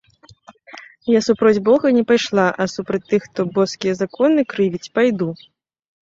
Я супроць бога не пайшла, а супроць тых, хто боскія законы крывіць, пайду.